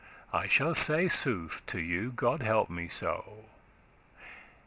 I shall say sooth to you, God help me so."